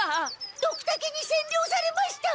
ドクタケにせんりょうされました！